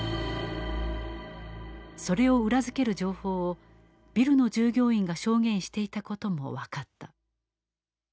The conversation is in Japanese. それを裏付ける情報をビルの従業員が証言していたことも分かった。